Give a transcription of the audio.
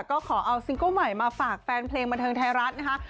ก็ขอเอาซิงเกิ้ลใหม่มาฝากแฟนเพลงบันเทิงไทยรัฐนะคะ